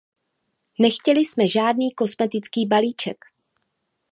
Nechtěli jsme žádný kosmetický balíček.